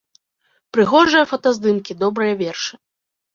Прыгожыя фотаздымкі, добрыя вершы.